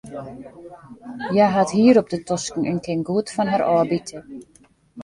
Hja hat hier op de tosken en kin goed fan har ôfbite.